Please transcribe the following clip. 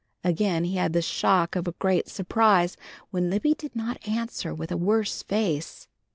Again he had the shock of a great surprise, when Libby did not answer with a worse face.